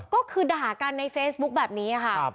ก็คือด่ากันในเฟซบุ๊คแบบนี้ค่ะ